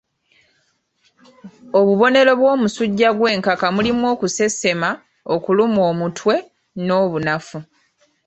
Obubonero bw'omusujja gw'enkaka mulimu okusesema, okulumwa omutwe n'obunafu.